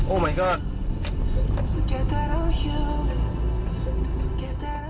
โอ้มายก็อด